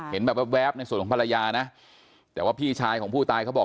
เห็นแบบแวบในส่วนของภรรยานะแต่ว่าพี่ชายของผู้ตายเขาบอก